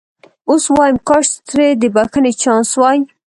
اوس وایم کاش ترې د بخښنې چانس وای.